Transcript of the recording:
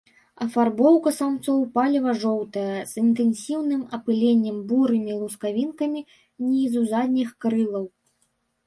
Афарбоўка самцоў палева-жоўтая, з інтэнсіўным апыленнем бурымі лускавінкамі нізу задніх крылаў.